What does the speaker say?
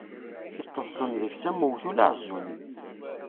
Itezzem deg-s am uwtul aɛezzuni.